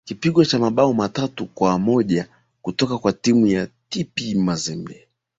kipigo cha mbao tatu kwa moja kutoka kwa timu ya tp mazembe